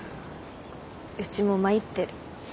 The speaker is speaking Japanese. うちも参ってる。